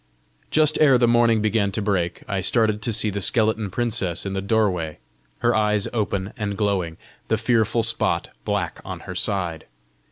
Just ere the morning began to break, I started to see the skeleton princess in the doorway, her eyes open and glowing, the fearful spot black on her side.